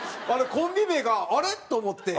コンビ名があれ？と思って。